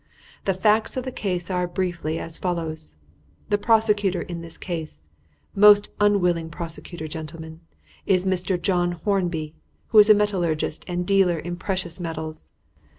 The facts of the case are briefly as follows: The prosecutor in this case most unwilling prosecutor, gentlemen is Mr. John Hornby, who is a metallurgist and dealer in precious metals.